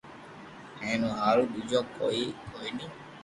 ھين او ھارون ٻيجو ڪوئي ڪوئي ني